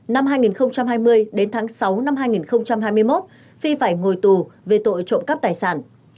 năm hai nghìn hai mươi đến tháng sáu năm hai nghìn hai mươi một phi phải ngồi tù về tội trộm cắp tài sản